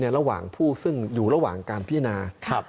ระหว่างผู้ซึ่งอยู่ระหว่างการพิจารณา